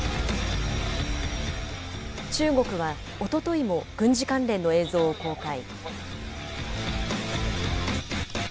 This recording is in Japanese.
中国はおとといも軍事関連の映像を公開。